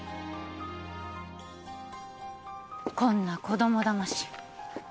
こんな子供だまし